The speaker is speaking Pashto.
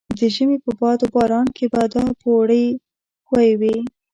د ژمي په باد و باران کې به دا پوړۍ ښویې وې.